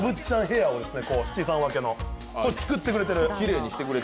ヘアーを、七三分けの、作ってくれてる。